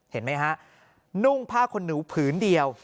เห็นมั้ยฮะนุ่งผ้าคนนิ้วพื้นเดียว